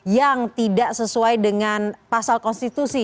yang tidak sesuai dengan pasal konstitusi